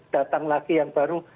datang lagi yang baru